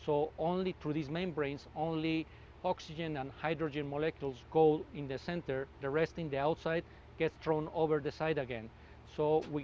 jadi hanya dengan membran ini hanya oksigen dan molekul hidrogen yang berada di tengah yang lain di luar diambil di sisi lain lagi